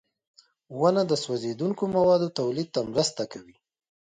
• ونه د سوځېدونکو موادو تولید ته مرسته کوي.